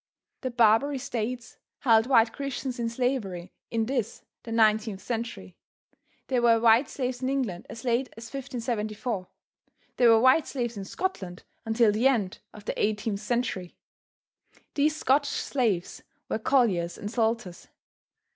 The Barbary States held white Christians in slavery in this, the 19th century. There were white slaves in England as late as 1574. There were white slaves in Scotland until the end of the 18th century. These Scotch slaves were colliers and salters.